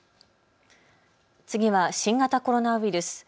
次は新型コロナウイルス。